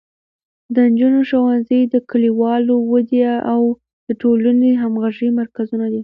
د نجونو ښوونځي د کلیوالو ودې او د ټولنیزې همغږۍ مرکزونه دي.